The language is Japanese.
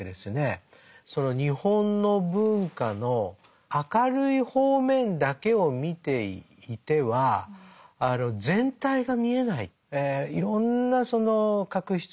日本の文化の明るい方面だけを見ていては全体が見えない。